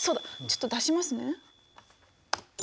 ちょっと出しますね。